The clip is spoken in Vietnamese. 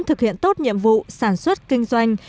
thực hiện tốt nhiệm vụ sản xuất kinh doanh